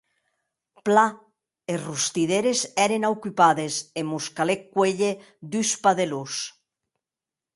Plan, es rostidoires èren ocupades e mos calèc cuélher dus padelons.